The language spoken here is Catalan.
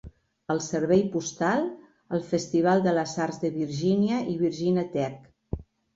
El servei postal, el festival de les arts de Virgínia i Virginia Tech.